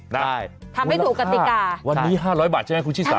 ได้ทำให้ถูกกติกาโอ้แล้วค่ะวันนี้๕๐๐บาทใช่ไหมคุณชี่สา